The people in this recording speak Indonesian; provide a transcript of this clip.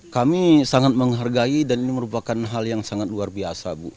kami sangat menghargai dan ini merupakan hal yang sangat luar biasa bu